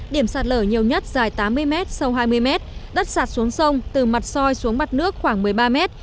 điểm sạt lở nhiều nhất dài tám mươi mét sâu hai mươi mét đất sạt xuống sông từ mặt soi xuống mặt nước khoảng một mươi ba mét